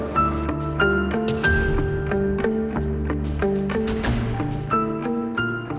kalau meetingnya di cancel